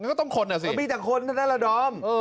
ก็ต้องคนล่ะสิมีแต่คนทั้งนั้นละดอม